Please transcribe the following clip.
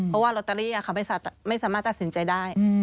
เพราะว่าลอตเตอรี่เขาไม่สามารถตัดสินใจได้